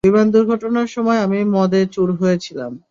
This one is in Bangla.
বিমান দূর্ঘটনার সময় আমি মদে চুর হয়ে ছিলাম।